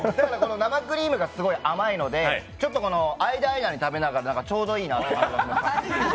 生クリームがすごく甘いので、ちょっと間、間に食べながらちょうどいいなと。